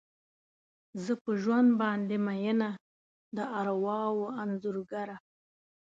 زه په ژوند باندې میینه، د ارواوو انځورګره